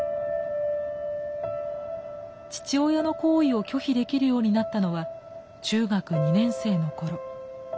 父親の行為を拒否できるようになったのは中学２年生の頃。